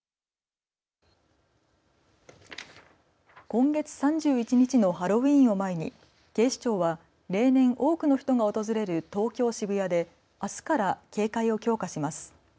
今月３１日のハロウィーンを前に警視庁は例年多くの人が訪れる東京、渋谷であすから警戒を強化します。